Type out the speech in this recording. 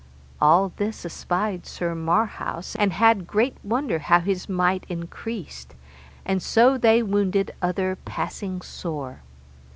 All this espied Sir Marhaus and had great wonder how his might increased, and so they wounded other passing sore.